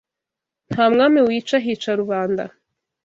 Nta mwami wica, hica rubanda